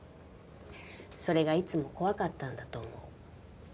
それがいつも怖かったんだと思う。